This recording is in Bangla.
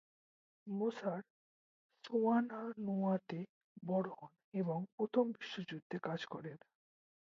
মোসার সোয়ানানোয়াতে বড় হন এবং প্রথম বিশ্বযুদ্ধে কাজ করেন।